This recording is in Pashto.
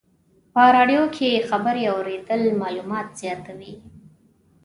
په رادیو کې خبرې اورېدل معلومات زیاتوي.